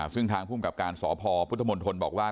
ซึ่งทางภูมิกับการสพพุทธมนตรบอกว่า